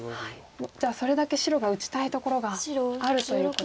じゃあそれだけ白が打ちたいところがあるということですね。